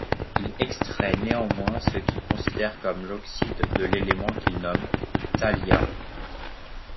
Il extrait néanmoins ce qu'il considère comme l'oxyde de l'élément qu'il nomme thalia.